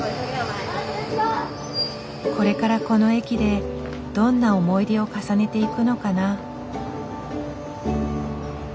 これからこの駅でどんな思い出を重ねていくのかな。